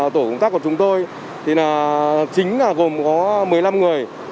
tổ công tác của chúng tôi chính gồm có một mươi năm người